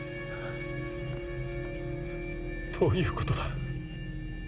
どういうことだ。